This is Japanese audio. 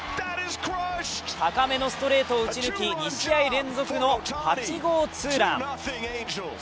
高めのストレートを打ち抜き２試合連続の８号ツーラン。